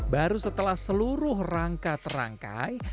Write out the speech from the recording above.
baru setelah seluruh rangka terangkai